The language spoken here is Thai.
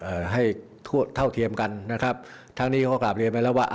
เอ่อให้ทั่วเท่าเทียมกันนะครับทั้งนี้เขาก็กลับเรียนไปแล้วว่า